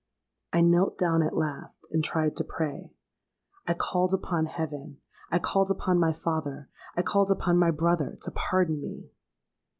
"I knelt down at last, and tried to pray. I called upon heaven—I called upon my father—I called upon my brother, to pardon me!